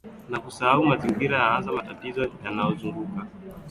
na kusahau mazingira na hasa matatizo yanayomzunguka kwa wakati huo